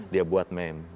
dia buat meme